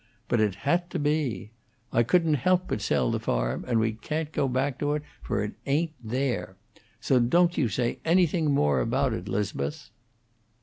But it had to be. I couldn't help but sell the farm, and we can't go back to it, for it ain't there. So don't you say anything more about it, 'Liz'beth."